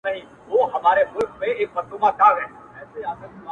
ما د دريم ژوند وه اروا ته سجده وکړه ـ